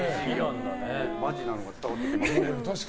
マジなのが伝わってきました。